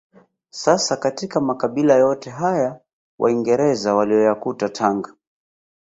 Sasa katika makabila yote haya waingereza waliyoyakuta Tanga